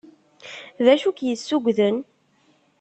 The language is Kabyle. D acu k-yessugden?